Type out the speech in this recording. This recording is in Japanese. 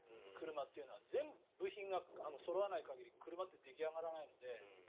車っていうのは全部品がそろわない限り車って出来上がらないので。